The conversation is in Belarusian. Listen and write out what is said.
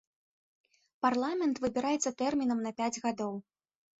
Парламент выбіраецца тэрмінам на пяць гадоў.